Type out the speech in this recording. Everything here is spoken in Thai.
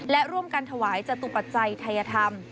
และร่วมกันถวายจตุปัจจัยไทยธรรม